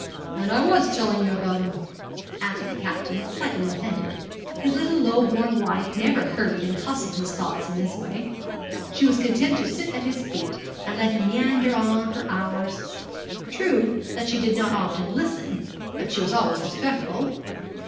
'And I was telling you about him,' answered the Captain, slightly offended. His little low born wife never hurried and hustled his thoughts in this way. She was content to sit at his feet, and let him meander on for hours. True that she did not often listen, but she was always respectful.